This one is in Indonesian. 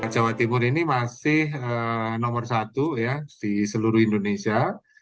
jawa timur ini masih nomor satu ya di seluruh indonesia